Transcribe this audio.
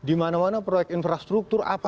di mana mana proyek infrastruktur ada yang membesar